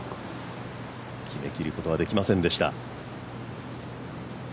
決めきることはできませんでした。